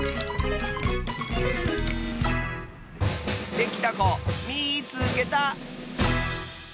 できたこみいつけた！